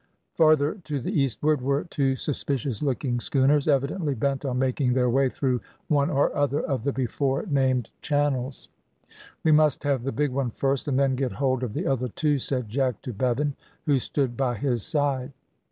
Farther to the eastward were two suspicious looking schooners, evidently bent on making their way through one or other of the before named channels. "We must have the big one first, and then get hold of the other two," said Jack to Bevan, who stood by his side.